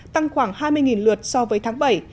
tăng khoảng hai mươi lượt so với tháng bảy